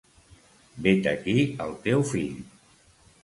Vet aquí el teu fill.